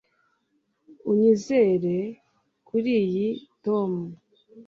Unyizere kuriyi Tom